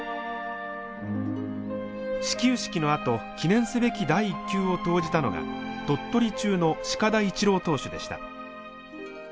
始球式のあと記念すべき第１球を投じたのが鳥取中の鹿田一郎投手でした。